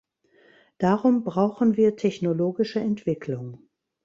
Darum brauchen wir technologische Entwicklung.